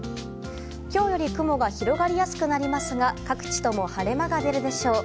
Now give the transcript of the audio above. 今日より雲が広がりやすくなりますが各地とも晴れ間が出るでしょう。